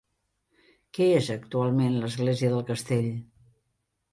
Què és actualment l'església del castell?